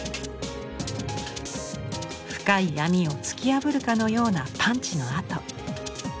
深い闇を突き破るかのようなパンチの跡。